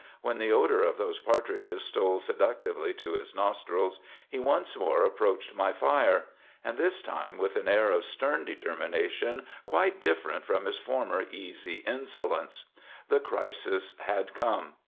When the odor of those partridges stole seductively to his nostrils, he once more approached my fire; and this time with an air of stern determination quite different from his former easy insolence. "The crisis had come.